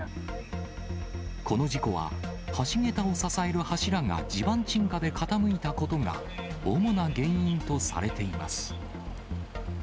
この事故は、橋桁を支える柱が地盤沈下で傾いたことが主な原因とされています。